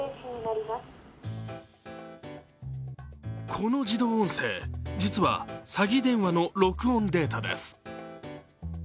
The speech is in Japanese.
この自動音声、実は詐欺電話の録音データです。